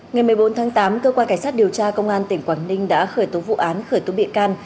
ngày một mươi bốn tháng tám cơ quan cảnh sát điều tra công an tỉnh quảng ninh đã khởi tố vụ án khởi tố bị can